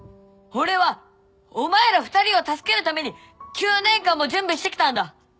俺はお前ら２人を助けるために９年間も準備してきたんだ！